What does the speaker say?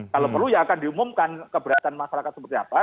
kalau perlu ya akan diumumkan keberatan masyarakat seperti apa